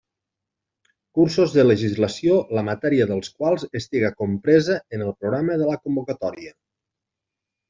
Cursos de legislació la matèria dels quals estiga compresa en el programa de la convocatòria.